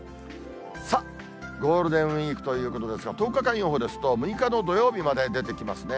さあ、ゴールデンウィークということですが、１０日間予報ですと、６日の土曜日まで出てきますね。